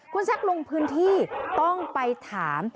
คุณแซคลงพื้นที่ต้องไปถาม